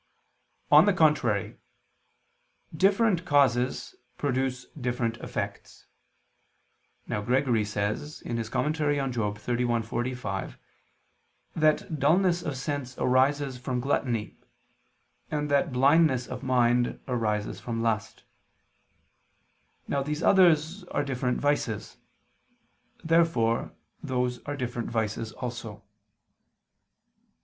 On the contrary, Different causes produce different effects. Now Gregory says (Moral. xxxi, 45) that dulness of sense arises from gluttony, and that blindness of mind arises from lust. Now these others are different vices. Therefore those are different vices also.